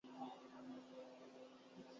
انقلابی تحریکوں کی بنیاد جذبۂ انتقام پر ہوتی ہے۔